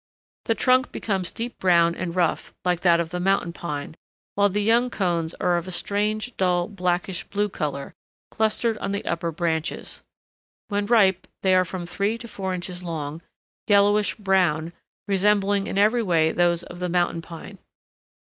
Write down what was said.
The trunk becomes deep brown and rough, like that of the Mountain Pine, while the young cones are of a strange, dull, blackish blue color, clustered on the upper branches. When ripe they are from three to four inches long, yellowish brown, resembling in every way those of the Mountain Pine.